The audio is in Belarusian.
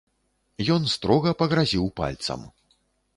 Ён строга пагразіў пальцам.